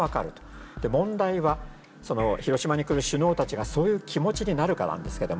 問題は広島に来る首脳たちがそういう気持ちになるかなんですけども。